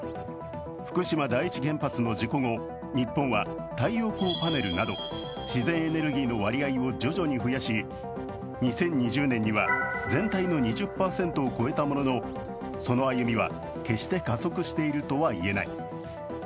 福島第一原発の事故後、日本は太陽光パネルなど自然エネルギーの割合を徐々に増やし２０２０年には全体の２０％を超えたものの、その歩みは決して加速しているとは言えない。